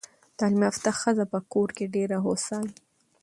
تعلیم یافته ښځه په کور کې ډېره هوسا وي.